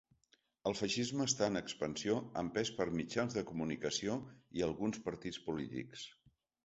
El feixisme està en expansió empès per mitjans de comunicació i alguns partits polítics.